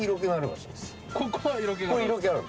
ここは色気がある？